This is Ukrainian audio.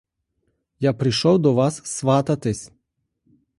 Я прийшов до вас свататись.